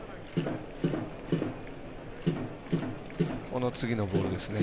この次のボールですね。